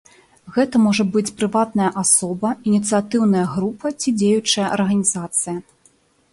Гэта можа быць прыватная асоба, ініцыятыўная група ці дзеючая арганізацыя.